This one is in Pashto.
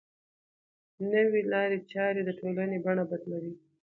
نوې لارې چارې د ټولنې بڼه بدلوي.